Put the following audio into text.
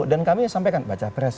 dan kami sampaikan baca pres